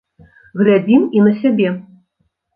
Глядзім і на сябе!